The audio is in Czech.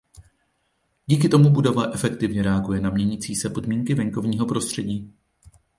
Díky tomu budova efektivně reaguje na měnící se podmínky venkovního prostředí.